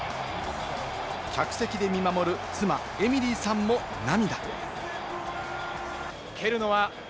客席で見守る、妻・エミリーさんも涙。